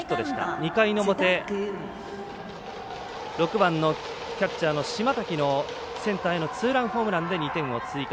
２回の表６番のキャッチャーの島瀧のセンターへのツーランホームランで２点追加。